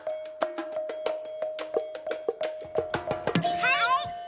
はい！